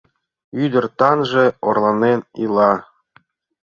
Ӱдыр таҥже орланен ила